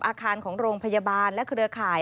อาคารของโรงพยาบาลและเครือข่าย